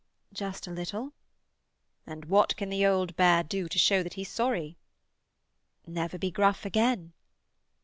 "Just a little." "And what can the old bear do to show that he's sorry?" "Never be gruff again."